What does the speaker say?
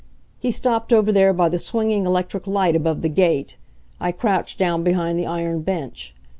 He stopped over there by the swinging electric light above the gate. I crouched down behind the iron bench.